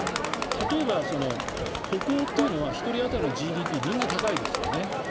例えば、北欧というのは１人当たりのＧＤＰみんな高いですよね。